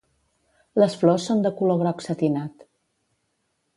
Les flors són de color groc setinat.